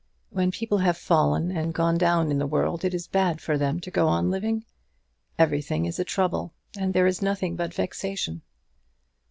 When people have fallen and gone down in the world it is bad for them to go on living. Everything is a trouble, and there is nothing but vexation."